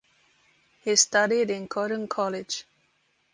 He studied in Cotton College.